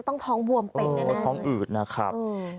ท้องอืดนะครับ